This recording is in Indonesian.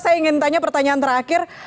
saya ingin tanya pertanyaan terakhir